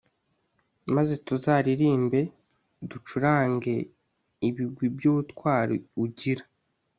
maze tuzaririmbe, ducurange ibigwi by'ubutwari ugira